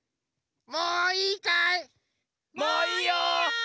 もういいかい？